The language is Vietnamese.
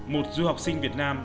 một du học sinh việt nam